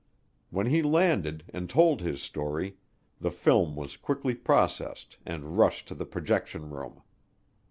When he landed and told his story, the film was quickly processed and rushed to the projection room.